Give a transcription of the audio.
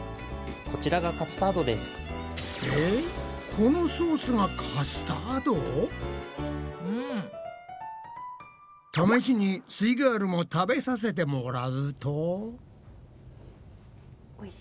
このソースが試しにすイガールも食べさせてもらうと。